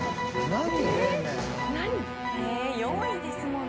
４位ですもんね。